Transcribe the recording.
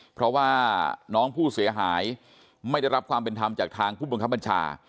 เพราะว่าน้องผู้เสียหายไม่ได้รับความเป็นธรรมจากทางผู้บังคับบัญชา